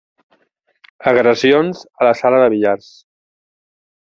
Agressions a la sala de billars.